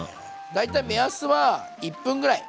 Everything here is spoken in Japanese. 大体目安は１分ぐらい。